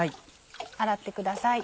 洗ってください。